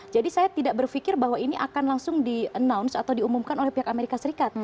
jadi saya tidak berpikir bahwa ini akan langsung di announce atau diumumkan oleh pihak amerika serikat